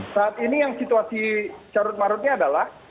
saat ini yang situasi carut marutnya adalah